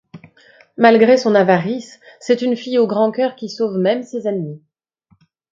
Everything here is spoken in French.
Malgré son avarice, c'est une fille au grand cœur qui sauve même ses ennemis.